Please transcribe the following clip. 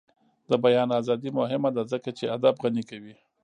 د بیان ازادي مهمه ده ځکه چې ادب غني کوي.